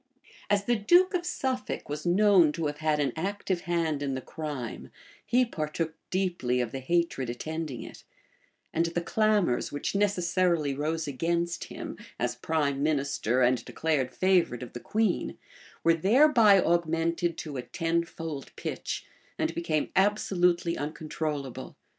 As the duke of Suffolk was known to have had an active hand in the crime, he partook deeply of the hatred attending it; and the clamors which necessarily rose against him, as prime minister and declared favorite of the queen, were thereby augmented to a tenfold pitch, and became absolutely uncontrollable.